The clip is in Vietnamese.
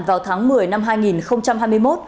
vào tháng một mươi năm hai nghìn hai mươi